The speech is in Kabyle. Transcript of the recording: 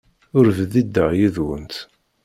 Ur bdideɣ yid-went.